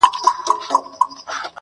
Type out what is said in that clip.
ستا لپاره ده دا مینه، زه یوازي تا لرمه!